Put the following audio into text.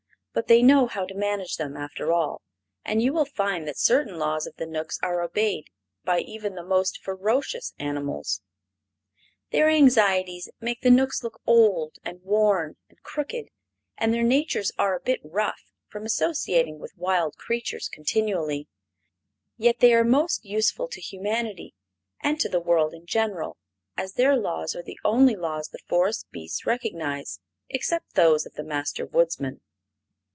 But they know how to manage them, after all, and you will find that certain laws of the Knooks are obeyed by even the most ferocious animals. Their anxieties make the Knooks look old and worn and crooked, and their natures are a bit rough from associating with wild creatures continually; yet they are most useful to humanity and to the world in general, as their laws are the only laws the forest beasts recognize except those of the Master Woodsman.